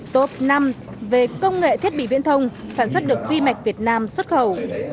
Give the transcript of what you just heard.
tốp năm về công nghệ thiết bị viễn thông sản xuất được ghi mạch việt nam xuất khẩu